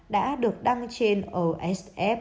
đã được đăng trên osf